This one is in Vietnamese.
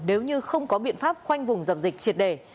nếu như không có biện pháp khoanh vùng dập dịch triệt đề